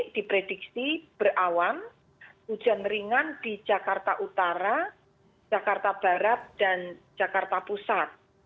diprediksi berawan hujan ringan di jakarta utara jakarta barat dan jakarta pusat